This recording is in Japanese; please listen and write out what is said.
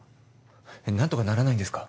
えっ何とかならないんですか？